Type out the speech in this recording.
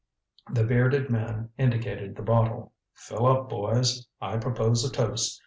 The bearded man indicated the bottle. "Fill up, boys. I propose a toast.